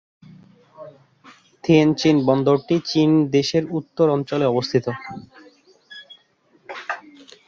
থিয়েনচিন বন্দরটি চীন দেশের উত্তর অঞ্চলে অবস্থিত।